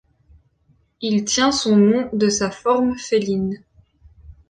Il tient son nom de sa forme féline.